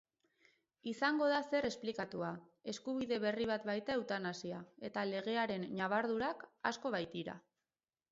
Izango da zer esplikatua, eskubide berri bat baita eutanasia, eta legearen ñabardurak asko baitira